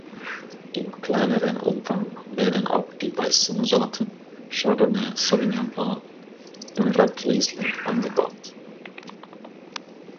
Im kleineren Umfang werden auch die weißen Sorten Chardonnay, Sauvignon Blanc, Emerald Riesling angebaut.